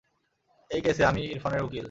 এই কেসে, আমি ইরফানের উকিল!